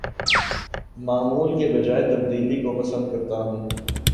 معمول کے بجاے تبدیلی کو پسند کرتا ہوں